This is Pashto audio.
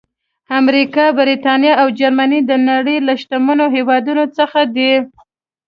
امریکا، برېټانیا او جرمني د نړۍ له شتمنو هېوادونو څخه دي.